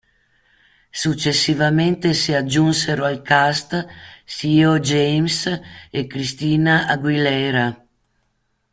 Successivamente si aggiunsero al cast Theo James e Christina Aguilera.